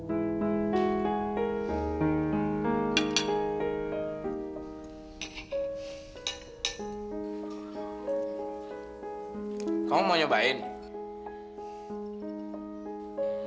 jangan lupa men cambiar ke allah